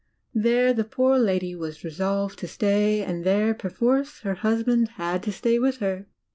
There the poor lady was resolved to stay, and there, perforce, her husband had to stay with her.